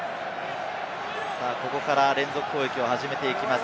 ここから連続攻撃を始めていきます。